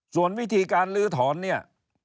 ส่วนวิธีการลื้อถอนเนี่ย